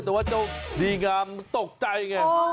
แต่ว่าเจ้าดีงามมันตกใจไง